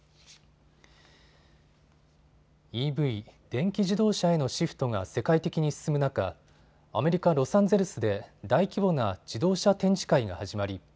ＥＶ・電気自動車へのシフトが世界的に進む中、アメリカ・ロサンゼルスで大規模な自動車展示会が始まり